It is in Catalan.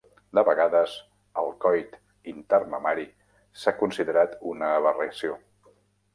De vegades, el coit intermamari s'ha considerat una aberració.